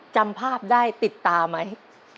จำภาพได้ติดตาไหม